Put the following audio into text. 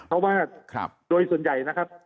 เพราะว่าโดยส่วนใหญ่นะครับ